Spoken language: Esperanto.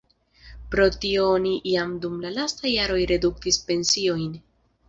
Pro tio oni jam dum la lastaj jaroj reduktis pensiojn.